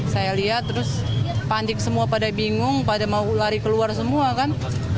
saya lihat terus panik semua pada bingung pada mau lari keluar semua kan